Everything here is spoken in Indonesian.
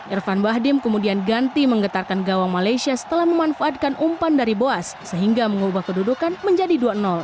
irfan bahdim kemudian ganti menggetarkan gawang malaysia setelah memanfaatkan umpan dari boas sehingga mengubah kedudukan menjadi dua